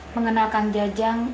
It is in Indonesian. mengenal kang jajang